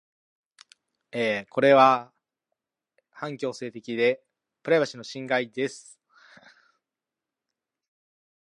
Nordenstam is also accomplished in fields such as photography and music video directing.